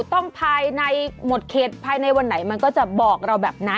ต้องภายในหมดเขตภายในวันไหนมันก็จะบอกเราแบบนั้น